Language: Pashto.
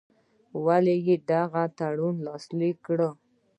ولي یې دغه تړون لاسلیک کړ.